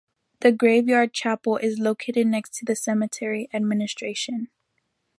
The graveyard chapel is located next to the cemetery administration.